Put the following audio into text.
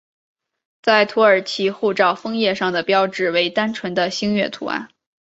在土耳其护照封页上的标志为单纯的星月图案。